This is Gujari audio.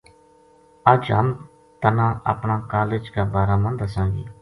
اج ہم تنا اپنا کالج کا بارہ ما دساں گی